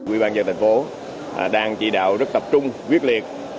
ủy ban dân dân thành phố đang chỉ đạo rất tập trung quyết liệt